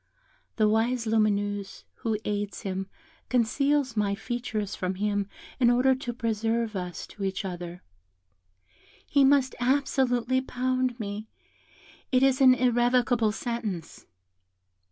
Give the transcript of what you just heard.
The wise Lumineuse, who aids him, conceals my features from him in order to preserve us to each other: he must absolutely pound me, it is an irrevocable sentence."